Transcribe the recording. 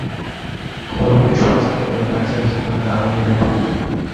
খবর পেয়ে সোয়া চারটার দিকে ফায়ার সার্ভিসের কর্মীরা আগুন নিভিয়ে ফেলেন।